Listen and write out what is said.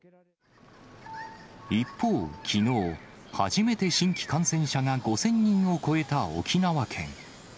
一方きのう、初めて新規感染者が５０００人を超えた沖縄県。